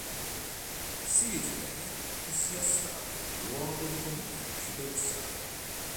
Si ritiene che sia stato luogo di commercio del sale.